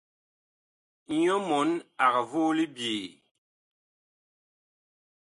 Nyɔ mɔɔn ag voo libyee.